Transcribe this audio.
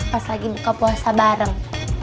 pas lagi buka puasa bareng